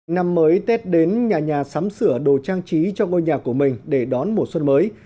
năm mới tết đến nhà nhà sắm sửa đồ trang trí cho ngôi nhà của mình để đón mùa xuân mới